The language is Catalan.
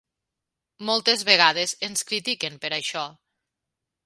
Moltes vegades ens critiquen per això.